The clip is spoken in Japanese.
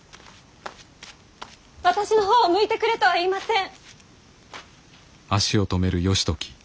私の方を向いてくれとは言いません。